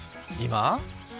今？